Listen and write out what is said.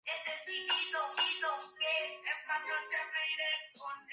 Participó en las exposiciones colectivas Makoki.